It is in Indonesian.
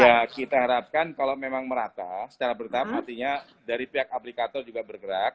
ya kita harapkan kalau memang merata secara bertahap artinya dari pihak aplikator juga bergerak